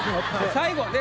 最後はね。